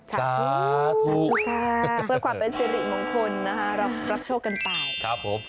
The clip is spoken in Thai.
สาธุค่ะเพื่อความเป็นสิริมงคลนะคะรับโชคกันไปครับผม